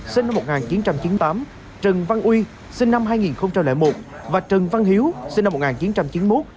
sinh năm một nghìn chín trăm chín mươi tám trần văn uy sinh năm hai nghìn một và trần văn hiếu sinh năm một nghìn chín trăm chín mươi một